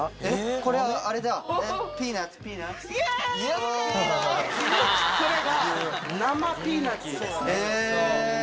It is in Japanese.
これが生ピーナツです。